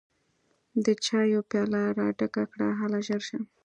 د چايو پياله راډکه کړه هله ژر شه!